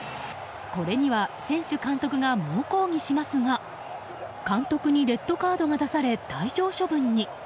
これには選手、監督が猛抗議しますが監督にレッドカードが出され退場処分に。